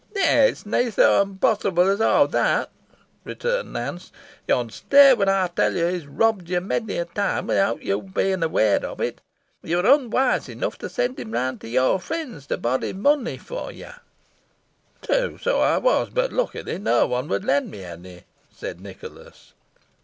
"Neaw, it's nah so unpossible os aw that," returned Nance; "yo 'n stare when ey tell yo he has robbed yo mony a time without your being aware on it. Yo were onwise enough to send him round to your friends to borrow money for yo." "True, so I was. But, luckily, no one would lend me any," said Nicholas.